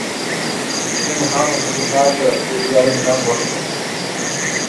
Kim ham qiziqardi o'zlaringdan boshqa?!